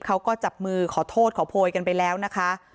เขาก็จับมือขอโทษขอโพยกันไปแล้วนะคะ